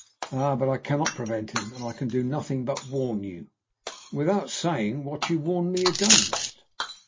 "Ah, but I cannot prevent him, and I can do nothing but warn you." "Without saying what you warn me against."